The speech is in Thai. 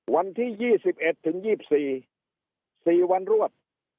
วันที่ยี่สิบเอ็ดถึงยี่สิบสี่สี่วันรวด